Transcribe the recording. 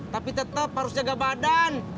tapi tetap harus jaga badan